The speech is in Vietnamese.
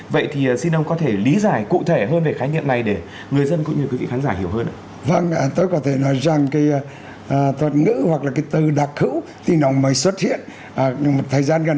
vậy thì xin ông có thể lý giải cụ thể hơn về khái niệm này để người dân cũng như quý vị khán giả hiểu hơn ạ